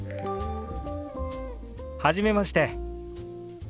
初めまして。